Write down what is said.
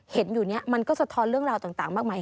เห็นอยู่นี้มันก็สะท้อนเรื่องราวต่างมากมาย